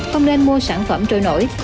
không nên mua sản phẩm trôi nổi